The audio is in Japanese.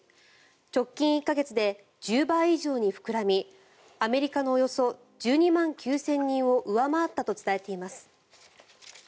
直近１か月で１０倍以上に膨らみアメリカのおよそ１２万９０００人を上回ったと伝えています。